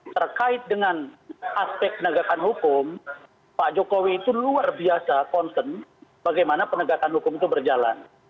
terkait dengan aspek negakan hukum pak jokowi itu luar biasa konsen bagaimana penegakan hukum itu berjalan